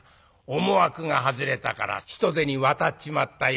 思惑が外れたから人手に渡っちまったよ